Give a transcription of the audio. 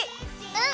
うん！